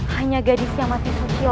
hanya gadis yang masih kecil